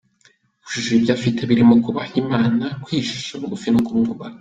wujuje ibyo afite birimo kubaha Imana, kwicisha ubugufi no kumwubaha.